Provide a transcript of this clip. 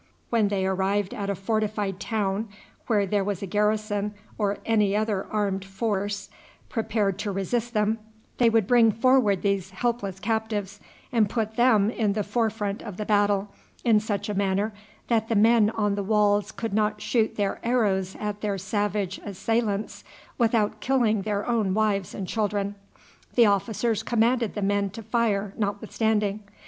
When they arrived at a fortified town where there was a garrison or any other armed force prepared to resist them, they would bring forward these helpless captives, and put them in the fore front of the battle in such a manner that the men on the walls could not shoot their arrows at their savage assailants without killing their own wives and children. The officers commanded the men to fire notwithstanding.